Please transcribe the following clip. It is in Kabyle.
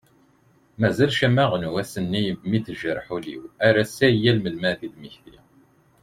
Mazal ccama n wass-nni mi tejreḥ ul-iw ar ass-a yal mi ad d-mmektiɣ.